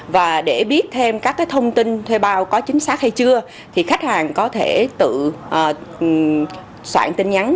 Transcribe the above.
và để biết thêm các thông tin thuê bao có chính xác hay chưa thì khách hàng có thể tự soạn tin nhắn